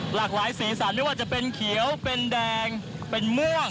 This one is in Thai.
หลากหลายสีสันไม่ว่าจะเป็นเขียวเป็นแดงเป็นม่วง